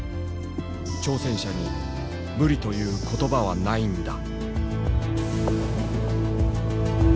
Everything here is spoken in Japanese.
挑戦者に無理という言葉はないんだ」。